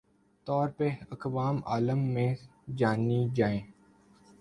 طور پہ اقوام عالم میں جانی جائیں